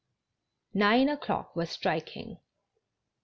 Nine o'clock was striking.